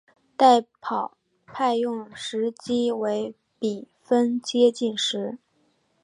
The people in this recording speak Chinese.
代跑派用时机为比分接近时。